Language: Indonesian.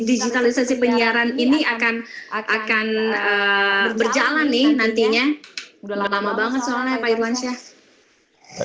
digitalisasi penyiaran ini akan berjalan nih nantinya